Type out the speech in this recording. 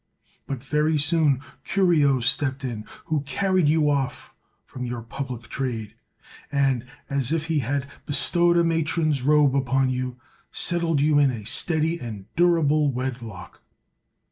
But very soon Curio stepped in, who carried you off from your public trade, and, as if he had bestowed a matron's robe upon you, settled you in a steady and durable wedlock.